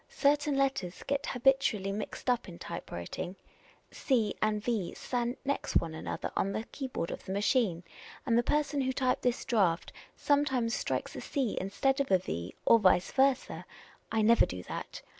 Certain letters get habitually mixed up in typewriting ; c and v stand next one another on the keyboard of the machine, and the per.son who typed this draft sometimes strikes a c instead of a v, or 2'?V<? versa. I never do that.